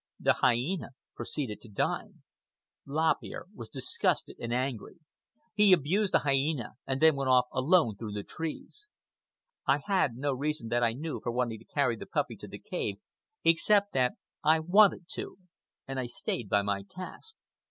The hyena proceeded to dine. Lop Ear was disgusted and angry. He abused the hyena, and then went off alone through the trees. I had no reason that I knew for wanting to carry the puppy to the cave, except that I wanted to; and I stayed by my task.